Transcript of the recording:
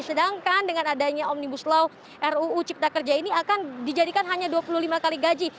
sedangkan dengan adanya omnibus law ruu cipta kerja ini akan dijadikan hanya dua puluh lima kali gaji